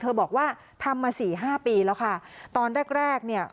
บอกว่าทำมาสี่ห้าปีแล้วค่ะตอนแรกแรกเนี่ย